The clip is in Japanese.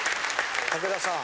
武田さん